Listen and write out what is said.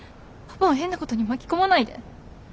パパを変なことに巻き込まないで。